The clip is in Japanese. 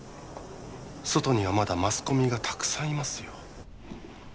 外にはまだマスコミがたくさんいますよ